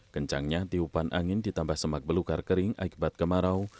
kencangnya tiupan angin ditambah semak belukar kering akibat kemarau